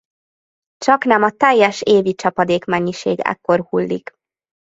Csaknem a teljes évi csapadékmennyiség ekkor hullik.